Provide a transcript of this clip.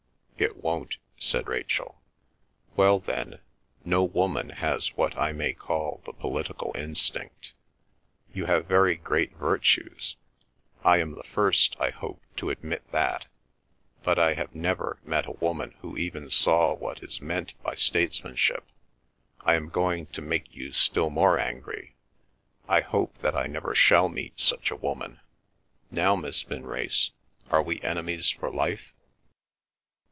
"It won't," said Rachel. "Well, then; no woman has what I may call the political instinct. You have very great virtues; I am the first, I hope, to admit that; but I have never met a woman who even saw what is meant by statesmanship. I am going to make you still more angry. I hope that I never shall meet such a woman. Now, Miss Vinrace, are we enemies for life?"